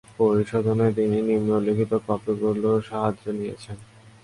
পরিশোধনে তিনি নিম্নে উল্লেখিত কপিগুলোর সাহায্য নিয়েছেন।